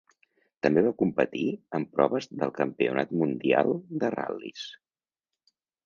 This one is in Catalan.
També va competir en proves del Campionat Mundial de Ral·lis.